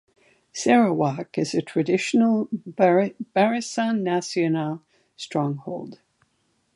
Sarawak is a traditional Barisan Nasional stronghold.